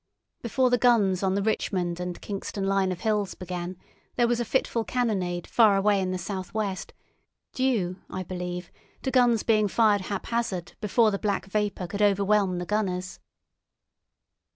Before the guns on the Richmond and Kingston line of hills began, there was a fitful cannonade far away in the southwest, due, I believe, to guns being fired haphazard before the black vapour could overwhelm the gunners.